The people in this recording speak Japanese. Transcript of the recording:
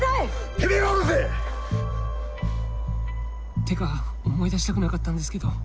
てめぇが下ろせ！ってか思い出したくなかったんですけど